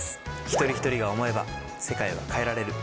一人一人が想えば世界は変えられる。